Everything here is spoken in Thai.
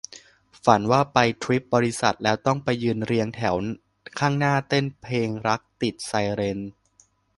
ฝันว่าไปทริปบริษัท แล้วต้องไปยืนเรียงแถวข้างหน้าเต้นเพลงรักติดไซเรน